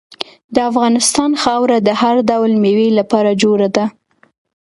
د افغانستان خاوره د هر ډول میوې لپاره جوړه ده.